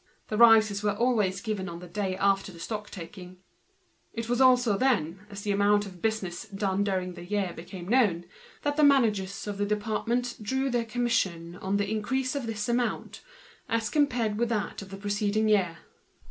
The rises were always given the day after the stock taking; it was also the epoch at which, the amount of business done during the year being known, the managers of the departments drew their commission on the increase of this figure, compared with that of the preceding year.